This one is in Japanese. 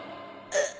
うっ。